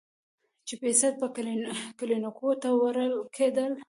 چې بېسده به کلينيکو ته وړل کېدل.